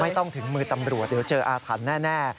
ต้องถึงมือตำรวจเดี๋ยวเจออาถรรพ์แน่